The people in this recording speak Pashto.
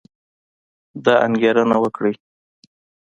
دا انګېرنه وکړئ